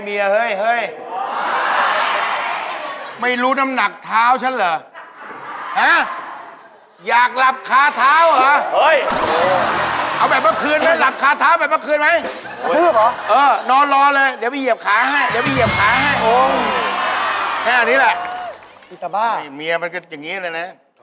พอเปล่าหนักงานเราเหมือนก็มีความสบายมากขึ้น